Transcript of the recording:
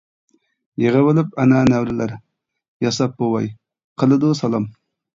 يىغىۋېلىپ ئەنە نەۋرىلەر، ياساپ بوۋاي، قىلىدۇ سالام.